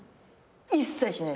一切しない。